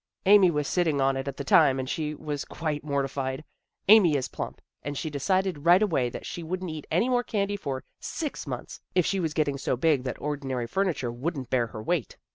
Amy was sitting on it at the time, and she was quite mortified. Amy is plump, and she decided right away that she wouldn't eat any more candy for six months, if she was getting so big that ordinary furniture wouldn't bear her weight."